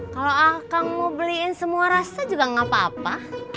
kalau kang mau beliin semua rasa juga gak apa apa